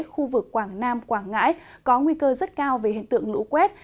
khu vực quảng nam quảng ngãi có nguy cơ rất cao về hiện tượng lũ quét